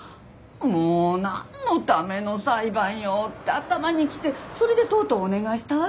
もうなんのための裁判よ！って頭にきてそれでとうとうお願いしたわけ。